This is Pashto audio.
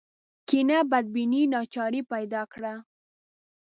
کینه بدبیني ناچاري پیدا کړه